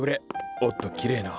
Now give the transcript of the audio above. おっときれいな花。